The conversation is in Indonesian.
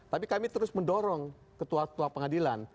tapi kami terus mendorong ketua ketua pengadilan